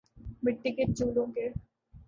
مٹی کے چولہوں کے